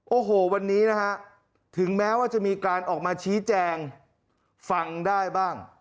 โอ้โหวันนี้นะฮะถึงแม้ว่าจะมีการออกมาชี้แจงฟังได้บ้าง